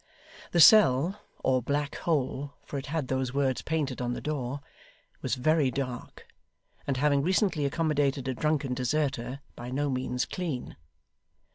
The cell, or black hole, for it had those words painted on the door, was very dark, and having recently accommodated a drunken deserter, by no means clean.